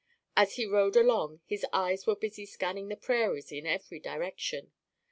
As he rode along, his eyes were busy scanning the prairies in every direction.